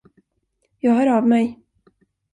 Jag hör av mig.